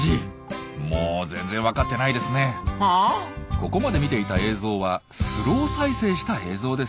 ここまで見ていた映像はスロー再生した映像です。